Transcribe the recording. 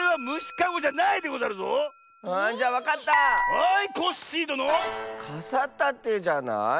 かさたてじゃない？